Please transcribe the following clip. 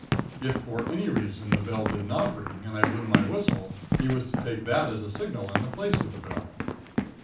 If for any reason the bell did not ring and I blew my whistle, he was to take that as a signal in the place of the bell.